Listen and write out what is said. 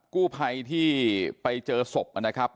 กู้ภัยที่ไปเจอศพนะครับ